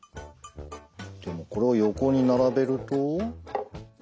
でもこれを横に並べると。